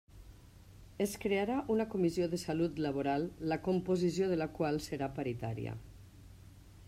Es crearà una comissió de salut laboral la composició de la qual serà paritària.